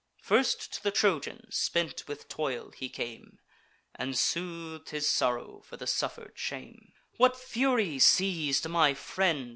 First to the Trojan, spent with toil, he came, And sooth'd his sorrow for the suffer'd shame. "What fury seiz'd my friend?